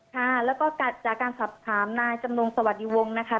ค่ะแล้วก็จากการสอบถามนายจำนงสวัสดีวงศ์นะคะ